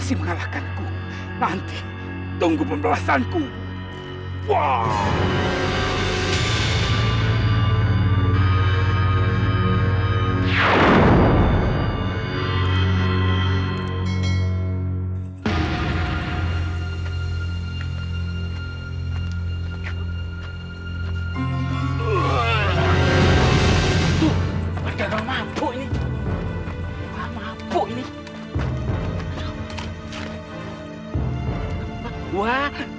serahkan aku dulu baru kau bisa memilikinya